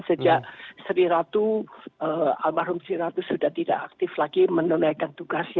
sejak sri ratu almarhum sri ratu sudah tidak aktif lagi menunaikan tugas